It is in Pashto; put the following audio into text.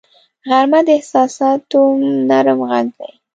غرمه د احساساتو نرم غږ دی